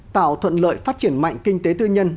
tạo thuận lợi phát triển mạnh kinh tế tư nhân